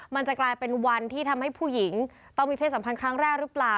มันจะกลายเป็นวันที่ทำให้ผู้หญิงต้องมีเพศสัมพันธ์ครั้งแรกหรือเปล่า